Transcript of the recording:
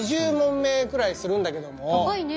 高いね。